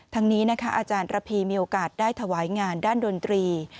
ทั้งนี้นะคะอาจารย์ระพีมีโอกาสได้ถวายงานด้านดนตรี